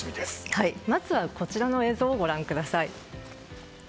まずはこちらの映像をご覧ください。